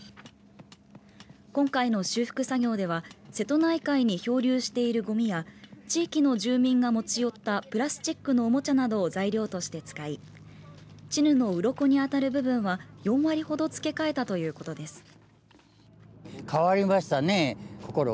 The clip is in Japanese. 今回の修復作業では瀬戸内海に漂流しているごみや地域の住民が持ち寄ったプラスチックのおもちゃなどを材料として使いチヌのうろこに当たる部分は４割ほど付け替えたということです。